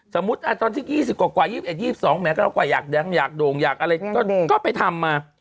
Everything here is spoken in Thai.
สมมติอ่านตอนที่ยี่สิบกว่านะคะ๒๒แม่งก็นักดังก็ไปทำมา